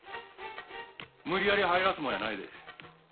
無理やり入らすもんやないで。